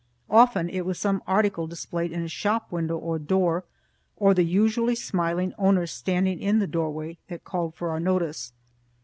Often it was some article displayed in a shop window or door, or the usually smiling owner standing in the doorway, that called for our notice.